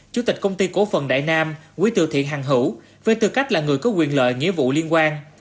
chủ tịch công ty cố phần đại nam quý tự thiện hàng hữu về tư cách là người có quyền lợi nghĩa vụ liên quan